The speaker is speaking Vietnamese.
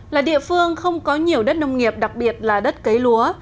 là địa phương không có nhiều đất nông nghiệp đặc biệt là đất cấy lúa